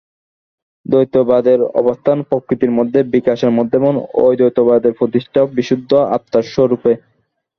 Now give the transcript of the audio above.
দ্বৈতবাদের অবস্থান প্রকৃতির মধ্যে, বিকাশের মধ্যে এবং অদ্বৈতবাদের প্রতিষ্ঠা বিশুদ্ধ আত্মার স্বরূপে।